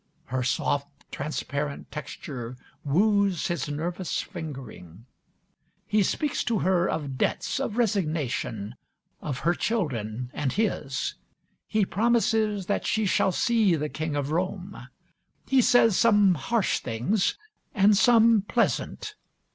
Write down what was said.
Her soft transparent texture woos his nervous fingering. He speaks to her of debts, of resignation; of her children, and his; he promises that she shall see the King of Rome; he says some harsh things and some pleasant.